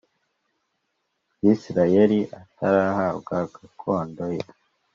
Bisirayeli atarahabwa gakondo ye